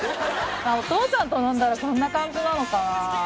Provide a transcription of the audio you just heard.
お父さんと飲んだらこんな感じなのかな？